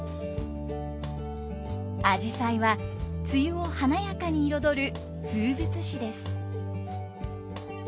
あじさいは梅雨を華やかに彩る風物詩です。